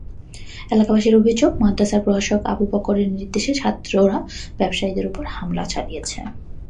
এলাকাবাসীর অভিযোগ, মাদ্রাসার প্রভাষক আবু বকরের নির্দেশে ছাত্ররা ব্যবসায়ীদের ওপর হামলা চালিয়েছে।